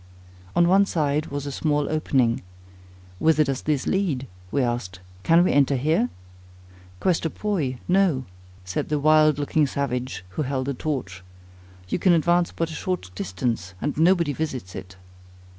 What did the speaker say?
On one side was a small opening. Whither does this lead? we asked: can we enter here?—"Questo poi, no,"—said the wild looking savage, who held the torch; "you can advance but a short distance, and nobody visits it."